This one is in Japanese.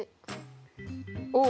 おお！